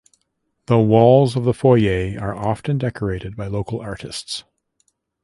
The walls of the Foyer are often decorated by local artists.